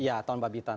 iya tahun babi tanah